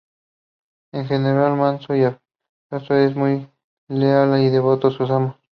En general manso y afectuoso, es muy leal y devoto a sus amos.